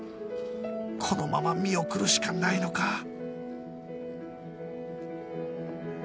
このまま見送るしかないのか？